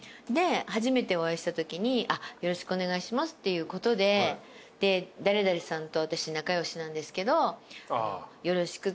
で初めてお会いしたときによろしくお願いしますっていうことでで誰々さんと私仲良しなんですけど。